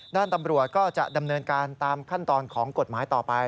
ด้านตำรวจก็จะดำเนินการตามขั้นตอนของกฎหมายต่อไป